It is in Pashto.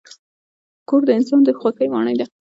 کور د انسان د خوښۍ ماڼۍ ده.